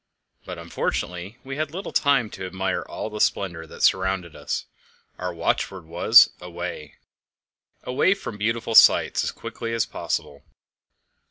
But unfortunately we had little time to admire all the splendour that surrounded us; our watchword was "Away" away from beautiful sights, as quickly as possible.